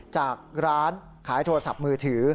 จากร้านขายโทรศัพท์มือถือ